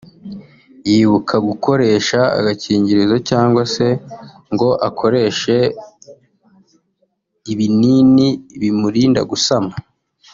yibuka gukoresha agakingirizo cyangwa se ngo akoreshe ibinini bimurinda gusama